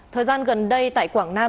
thời gian gần đây tại quảng nam